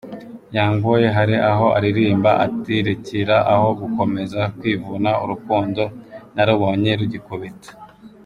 Young Boy hari aho aririmba ati: "Rekera aho gukomeza kwivuna urukundo narubonye rugikubita.